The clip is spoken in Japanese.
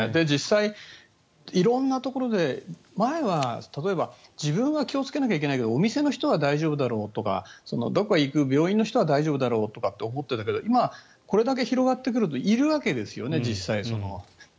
実際、色んなところで前は例えば、自分が気をつけないといけないけどお店の人は大丈夫だろうとか病院の人は大丈夫だろうとかって思っていたけれどこれだけ広がってくるといるわけですよね、実際に。